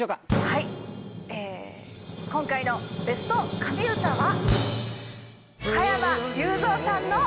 はい今回のベスト神うたは。